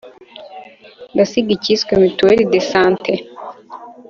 Ndasiga ikiswe mutuelle de sante